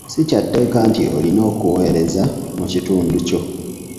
Si kya tteeka nti olina okuweereza mu kitundu kyo.